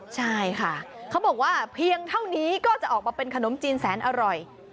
ใช่ค่ะเขาบอกว่าเพียงเท่านี้ก็จะออกมาเป็นขนมจีนแสนอร่อย